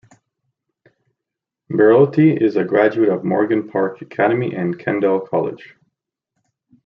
Bertoletti is a graduate of Morgan Park Academy and Kendall College.